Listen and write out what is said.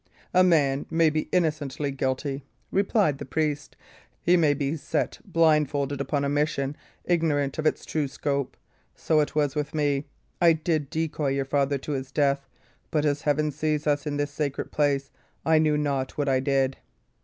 "A man may be innocently guilty," replied the priest. "He may be set blindfolded upon a mission, ignorant of its true scope. So it was with me. I did decoy your father to his death; but as Heaven sees us in this sacred place, I knew not what I did."